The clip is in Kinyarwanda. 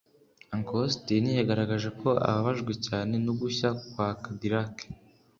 Uncle Austin yagaragaje ko ababajwe cyane no gushya kwa Cadillac